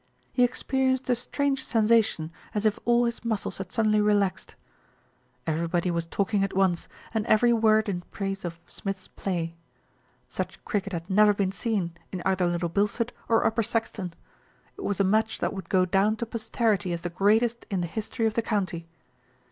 He experienced a strange sensation as if all his muscles had suddenly relaxed. Everybody was talking at once, and every word in SMITH BECOMES A POPULAR HERO 215 praise of Smith's play. Such cricket had never been seen in either Little Bilstead or Upper Saxton. It was a match that would go down to posterity as the greatest in the history of the county.